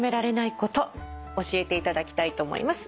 教えていただきたいと思います。